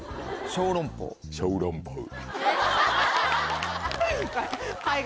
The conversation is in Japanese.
ショウロンポウ？